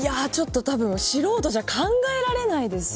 たぶん素人じゃ考えられないですよね。